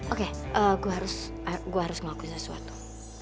oke gue harus ngelakuin sesuatu